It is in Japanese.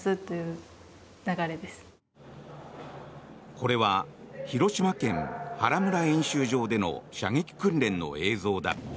これは広島県・原村演習場での射撃訓練の映像だ。